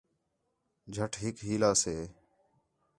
جَھٹ ہِک ہِیلا سے